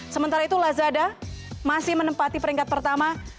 sementara itu lazada masih menempati peringkat pertama